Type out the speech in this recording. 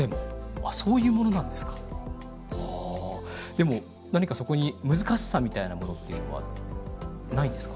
でも何かそこに難しさみたいなものっていうのはないんですか？